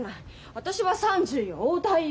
私は３０よ大台よ。